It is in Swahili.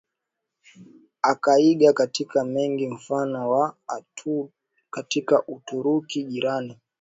akaiga katika mengi mfano wa Atatürk katika Uturuki jirani